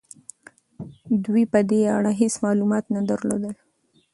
دوی په دې اړه هيڅ معلومات نه درلودل.